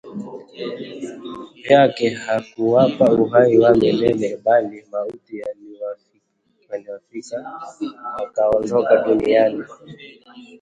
vyake hakuwapa uhai wa milele bali mauti yaliwafika wakaondoka duniani